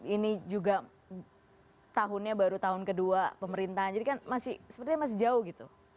ini juga tahunnya baru tahun kedua pemerintahan jadi kan sepertinya masih jauh gitu